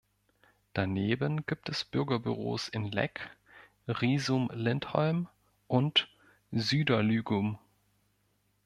Daneben gibt es Bürgerbüros in Leck, Risum-Lindholm und Süderlügum.